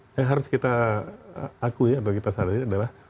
yang harus kita akui atau kita sadari adalah